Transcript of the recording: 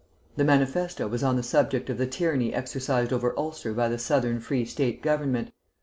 The manifesto was on the subject of the tyranny exercised over Ulster by the Southern Free State Government.